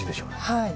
はい。